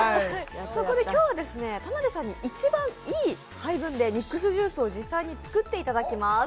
そこで田辺さんに一番いい配分でミックスジュースを実際に作っていただきます。